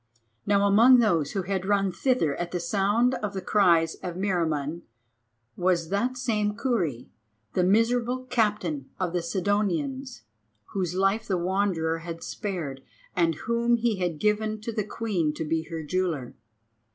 Now among those who had run thither at the sound of the cries of Meriamun was that same Kurri, the miserable captain of the Sidonians, whose life the Wanderer had spared, and whom he had given to the Queen to be her jeweller.